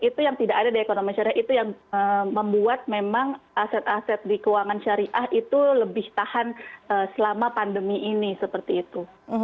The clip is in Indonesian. itu yang tidak ada di ekonomi syariah itu yang membuat memang aset aset di keuangan syariah itu